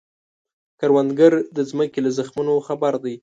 کروندګر د ځمکې له زخمونو خبر دی